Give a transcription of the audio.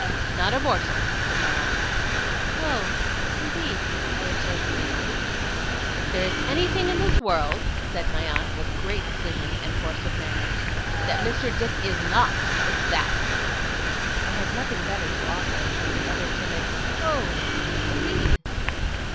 'Not a morsel,' said my aunt. 'Oh, indeed!' I observed faintly. 'If there is anything in the world,' said my aunt, with great decision and force of manner, 'that Mr. Dick is not, it's that.' I had nothing better to offer, than another timid, 'Oh, indeed!